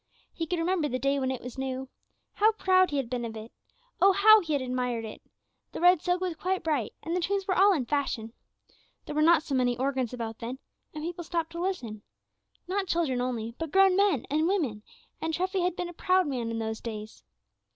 He could remember the day when it was new. How proud he had been of it! Oh, how he had admired it! The red silk was quite bright, and the tunes were all in fashion. There were not so many organs about then, and people stopped to listen, not children only, but grown men and women, and Treffy had been a proud man in those days.